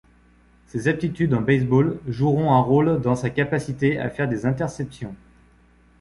Ses aptitudes en baseball joueront un rôle dans sa capacité à faire des interceptions.